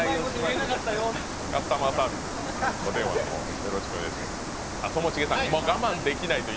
カスタマーサービスにお電話の方よろしくお願いします。